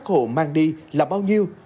các khẩu mang đi là bao nhiêu